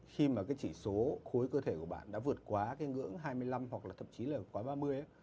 khi mà cái chỉ số khối cơ thể của bạn đã vượt quá cái ngưỡng hai mươi năm hoặc là thậm chí là quá ba mươi